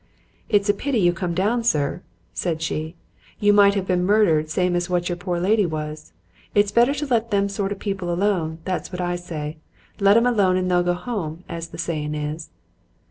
"'It's a pity you come down, sir,' said she. 'You might have been murdered same as what your poor lady was. It's better to let them sort of people alone. That's what I say. Let 'em alone and they'll go home, as the sayin' is.'